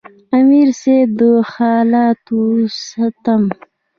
امیر صېب د حالاتو ستم،